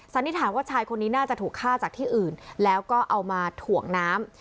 นิษฐานว่าชายคนนี้น่าจะถูกฆ่าจากที่อื่นแล้วก็เอามาถ่วงน้ำ